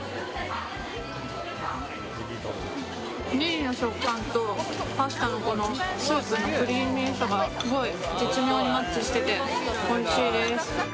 ネギの食感とパスタのスープのクリーミーさがすごい絶妙にマッチしてておいしいです。